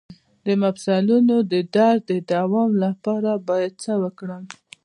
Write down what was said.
د مفصلونو د درد د دوام لپاره باید څه وکړم؟